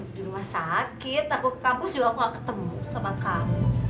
di rumah sakit aku ke kampus juga aku nggak ketemu sobat kamu